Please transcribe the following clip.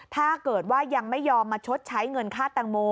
ถ้าเกิดว่ายังไม่ยอมมาชดใช้เงินค่าแตงโม